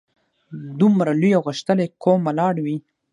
دومره لوی او غښتلی قوم ولاړ وي.